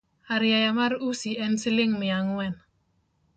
Arieya mar usi en siling’ mia ang’wen